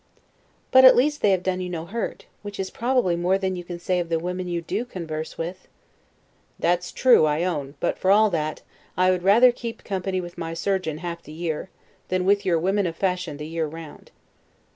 Stanhope. But at least they have done you no hurt; which is, probably, more than you can say of the women you do converse with. Englishman. That's true, I own; but for all that, I would rather keep company with my surgeon half the year, than with your women of fashion the year round.